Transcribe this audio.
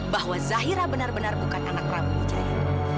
bahwa zahira benar benar bukan anak prabowo jaya